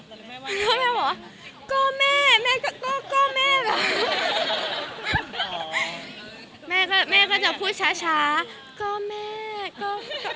แล้วแม่บอกว่าก็แม่แม่ก็แม่แบบแม่ก็แม่ก็จะพูดช้าก็แม่ก็